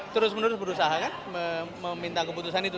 terus menerus berusaha kan meminta keputusan itu